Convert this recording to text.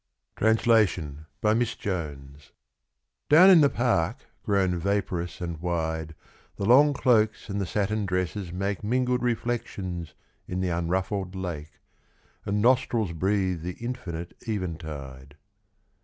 96 Translation by Miss Jottes. n in the park grown vaporous and wide The long cloaks and the satin dresses make Mingled reflections in the unruffled lake, And nostrils breathe the infinite eventide.